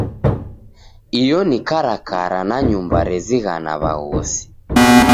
Iyo ni karakara na nyumba rezighana w'aghosi.